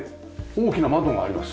大きな窓があります。